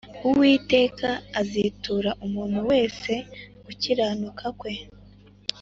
Uwiteka azitura umuntu wese gukiranuka kwe